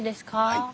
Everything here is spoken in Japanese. はい。